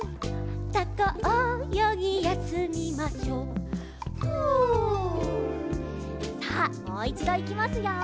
「タコおよぎやすみましょう」「フ」さあもういちどいきますよ。